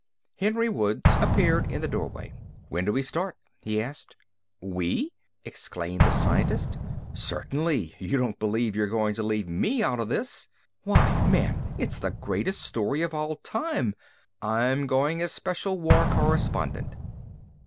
Henry Woods appeared in the doorway. "When do we start?" he asked. "We?" exclaimed the scientist. "Certainly, you don't believe you're going to leave me out of this. Why, man, it's the greatest story of all time. I'm going as special war correspondent."